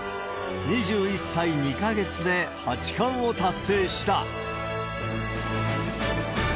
２１歳２か月で八冠を達成した。